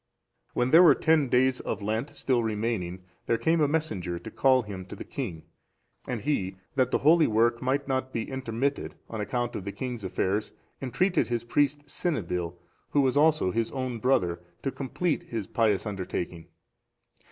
When there were ten days of Lent still remaining, there came a messenger to call him to the king; and he, that the holy work might not be intermitted, on account of the king's affairs, entreated his priest, Cynibill, who was also his own brother, to complete his pious undertaking.